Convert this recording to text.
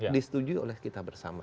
disetujui oleh kita bersama